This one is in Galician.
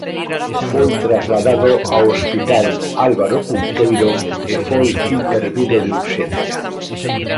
Foi trasladado ao hospital Álvaro Cunqueiro e foi intervido de urxencia.